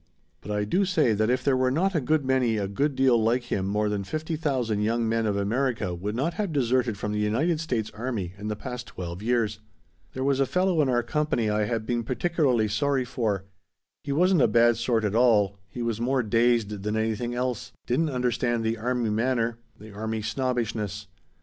But I do say that if there were not a good many a good deal like him more than fifty thousand young men of America would not have deserted from the United States army in the past twelve years. "There was a fellow in our company I had been particularly sorry for. He wasn't a bad sort at all; he was more dazed than anything else; didn't understand the army manner; the army snobbishness.